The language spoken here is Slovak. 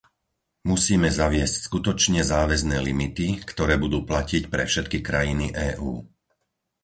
Musíme zaviesť skutočne záväzné limity, ktoré budú platiť pre všetky krajiny EÚ.